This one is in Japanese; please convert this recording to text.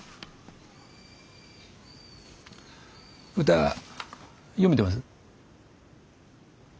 歌詠めてます？